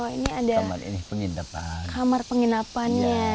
ini ada kamar penginapannya